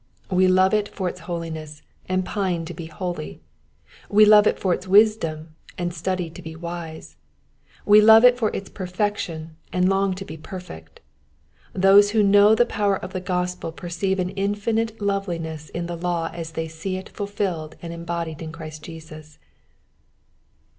We love it for its holiness, and pine to be holy ; we love it for its wisdom, and study to be wise ; we love it for its perfection, and lon^ to be perfect. Those who know the power of the gospel perceive an infinite loveliness in the law as they see it fulfilled and embodied m Christ Jesus.